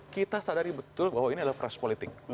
kita sadari betul bahwa ini adalah press politik